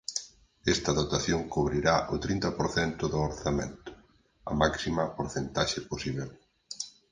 Esta dotación cubrirá o trinta por cento do orzamento, a máxima porcentaxe posíbel.